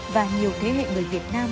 và nhiều thế hệ người việt nam